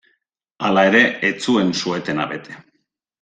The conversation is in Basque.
Hala ere, ez zuen su-etena bete.